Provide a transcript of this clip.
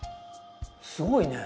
すごいね。